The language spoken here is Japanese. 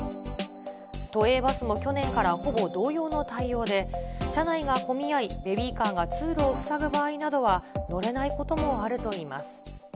都営バスも去年からほぼ同様の対応で、車内が混み合い、ベビーカーが通路を塞ぐ場合などは、乗れないこともあるといいます。